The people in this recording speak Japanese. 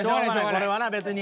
これはな別に。